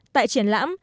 tại triển lãm